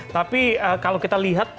tapi kalau kita lihat